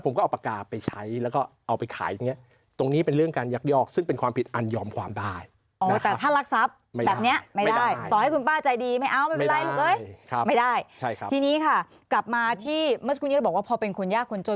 ไม่ได้ทีนี้ค่ะกลับมาที่เมื่อสักครู่นี้เราบอกว่าพอเป็นคนยากคนจน